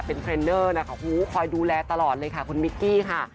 เป็นเทรนเนอร์นะคะคอยดูแลตลอดเลยค่ะคุณมิกกี้ค่ะ